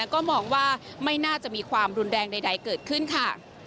ก็มองว่าไม่น่าจะมีความรุนแรงใดเกิดขึ้นค่ะ